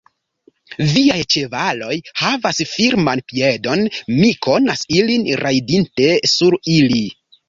Viaj ĉevaloj havas firman piedon; mi konas ilin, rajdinte sur ili.